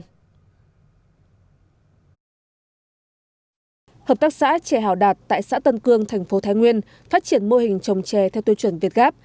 hợp tác xã chè hào đạt tại xã tân cương tp thái nguyên phát triển mô hình trồng chè theo tư chuẩn việt gáp